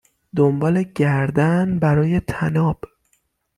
دنبال گردن برای طناب